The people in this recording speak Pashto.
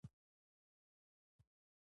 ملک صاحب ته خدای داسې سترګې ورکړې دي،